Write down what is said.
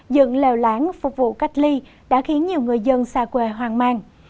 dựng lèo lãng phục vụ cách ly đã khiến nhiều người dân xa quê hoang mang